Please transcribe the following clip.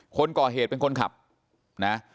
คนก่อเหตุเป็นคนขับนะ